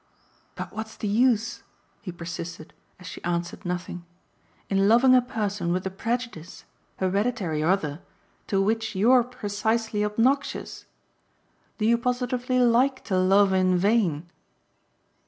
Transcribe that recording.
But what's the use," he persisted as she answered nothing, "in loving a person with the prejudice hereditary or other to which you're precisely obnoxious? Do you positively LIKE to love in vain?"